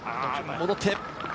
戻って。